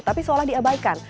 tapi seolah diabaikan